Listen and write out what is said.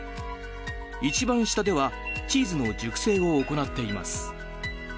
１番下ではチーズの熟成を行っています。